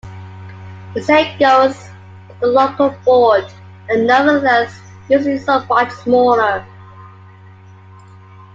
The same goes for the Local Board, who are nevertheless usually somewhat smaller.